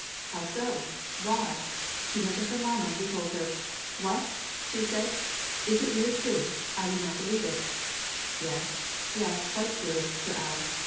"How so? Why?" She went to her mamma, who told her. "What!" said she, "is it really true? I do not believe it." "Yes, yes; quite true," said I.